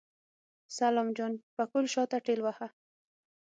سلام جان پکول شاته ټېلوهه.